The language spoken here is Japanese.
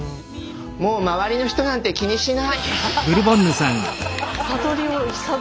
もうまわりの人なんて気にしない！